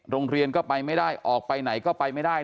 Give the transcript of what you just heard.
โรงเรียนก็ไปไม่ได้ออกไปไหนก็ไปไม่ได้